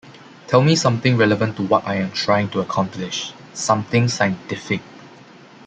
Tell me something relevant to what I am trying to accomplish - something scientific.